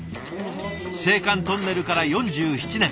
青函トンネルから４７年。